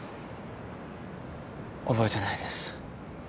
覚えてないです。